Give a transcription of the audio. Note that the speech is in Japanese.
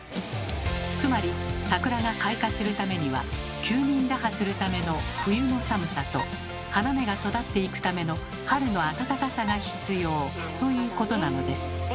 つまり桜が開花するためには休眠打破するための冬の寒さと花芽が育っていくための春の暖かさが必要ということなのです。